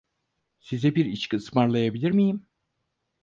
Size bir içki ısmarlayabilir miyim?